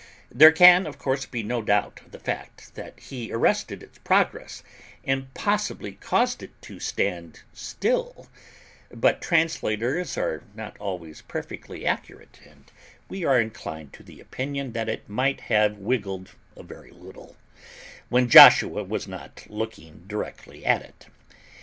There can, of course, be no doubt of the fact, that he arrested its progress, and possibly caused it to "stand still"; but translators are not always perfectly accurate, and we are inclined to the opinion that it might have wiggled a very little, when Joshua was not looking directly at it.